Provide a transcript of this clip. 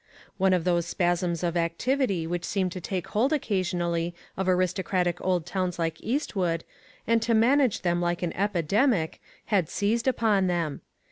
One of those spasms of activity which seem to take hold occasionally of aristocratic old towns like Eastwood, and to manage them like an epidemic, had seized upon them.